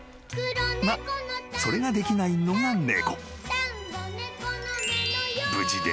［まっそれができないのが猫］